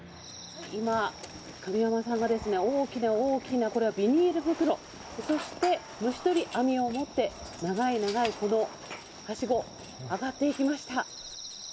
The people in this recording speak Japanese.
今、神山さんが、大きな大きなこれはビニール袋、そして虫取り網を持って、長い長いこのはしご、上がっていきました。